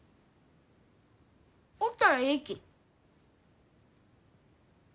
おったらえいき。